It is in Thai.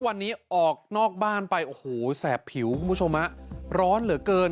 วันนี้ออกนอกบ้านไปโอ้โหแสบผิวคุณผู้ชมฮะร้อนเหลือเกิน